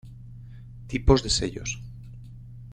Tipos de sellos;